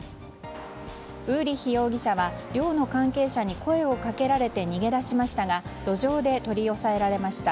ウーリッヒ容疑者は寮の関係者に声をかけられて逃げ出しましたが路上で取り押さえられました。